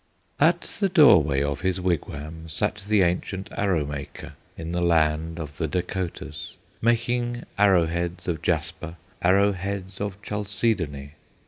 At the doorway of his wigwam Sat the ancient Arrow maker, In the land of the Dacotahs, Making arrow heads of jasper, Arrow heads of chalcedony.